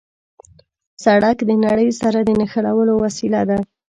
سړک د نړۍ سره د نښلولو وسیله ده.